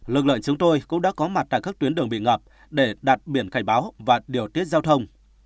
lực lượng chúng tôi cũng đã có mặt tại các tuyến đường bị ngập để đặt biển cảnh báo và điều tiết giao thông